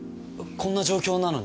こんな状況なのに？